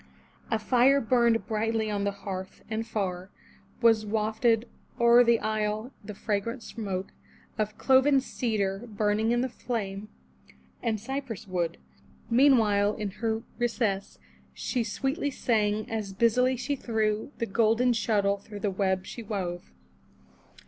A fire burned brightly on the hearth, and jar^ Was wafted o'er the isle the fragrant smoke Of cloven cedar burning in the flame, And cypress wood. Meanwhile, in her recess. She sweetly sang, as busily she threw The golden shuttle through the web she wove.